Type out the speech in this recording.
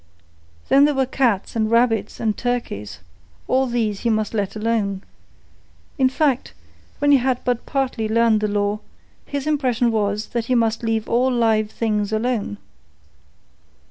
Then there were cats, and rabbits, and turkeys; all these he must let alone. In fact, when he had but partly learned the law, his impression was that he must leave all live things alone.